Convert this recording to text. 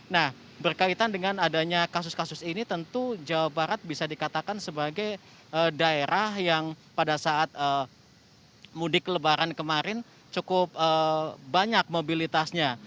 nah berkaitan dengan adanya kasus kasus ini tentu jawa barat bisa dikatakan sebagai daerah yang pada saat mudik lebaran kemarin cukup banyak mobilitasnya